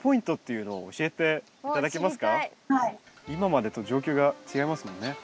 今までと状況が違いますもんね。